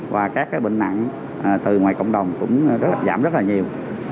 và các bệnh nặng từ ngoài cộng đồng cũng giảm rất là nhiều